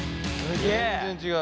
全然違う。